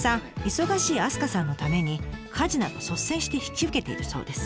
忙しい明日香さんのために家事など率先して引き受けているそうです。